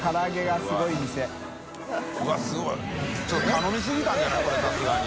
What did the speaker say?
舛腓辰頼みすぎたんじゃない？